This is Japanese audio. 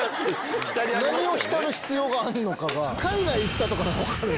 何を浸る必要があるのかが。